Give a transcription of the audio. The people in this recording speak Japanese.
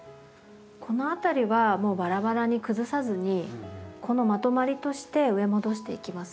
この辺りはもうバラバラに崩さずにこのまとまりとして植え戻していきます。